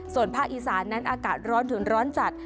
ส่วนภาคอีสานนั้นอากาศร้อนถึงร้อนจัด